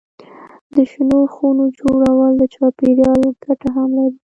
د شنو خونو جوړول د چاپېریال ګټه هم لري.